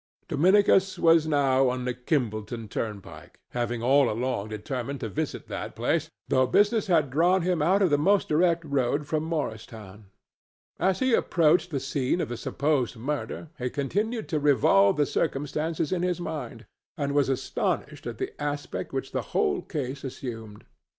Dominicus was now on the Kimballton turnpike, having all along determined to visit that place, though business had drawn, him out of the most direct road from Morristown. As he approached the scene of the supposed murder he continued to revolve the circumstances in his mind, and was astonished at the aspect which the whole case assumed.